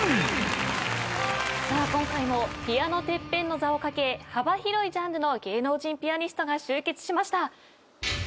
今回もピアノＴＥＰＰＥＮの座を懸け幅広いジャンルの芸能人ピアニストが集結しました。